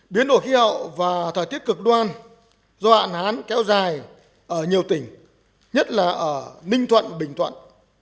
biến đổi khí hậu và thời tiết cực đoan do hạn hán kéo dài ở nhiều tỉnh nhất là ở ninh thuận bình thuận